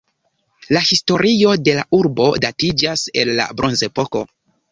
La historio de la urbo datiĝas el la Bronzepoko.